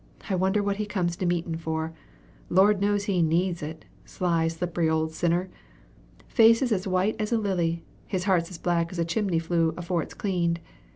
"I wonder what he comes to meetin' for. Lord knows he needs it, sly, slippery old sinner! Face's as white as a lily; his heart's as black as a chimney flue afore it's cleaned.